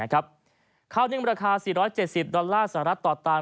ข้าวนึ่งราคา๔๗๐ดอลลาร์สหรัฐต่อตัน